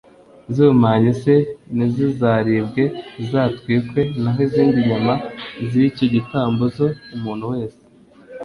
gihumanye c ntizizaribwe zizatwikwe Naho izindi nyama z icyo gitambo zo umuntu wese